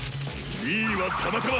２位はたまたま！